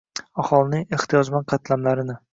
aholining ehtiyojmand qatlamlarini